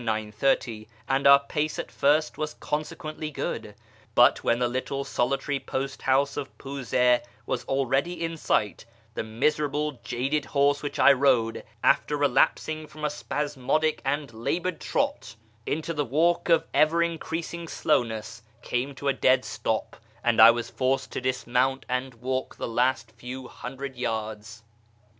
30, and our pace at first was consequently good. But .vhen the little solitary post house of Piize was already in iight, the miserable, jaded horse which I rode, after relapsing rom a spasmodic and laboured trot into a walk of ever 34:: A YEAR AMONGST THE PERSIANS increasing slowness, came to a dead stop, aiul I was forced to dismount and walk the last few hundred yards.